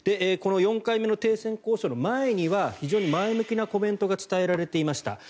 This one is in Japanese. この４回目の停戦交渉の前には非常に前向きなコメントが伝えられていました。